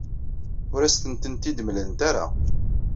Ur asent-tent-id-mlant ara.